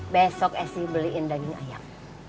besok essi beliin daging ayam